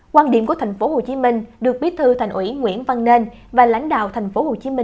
quan điểm của tp hcm được bí thư thành ủy nguyễn văn nên và lãnh đạo tp hcm